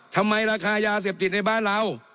ทำไมราคายาเสพจิตในบ้านเรา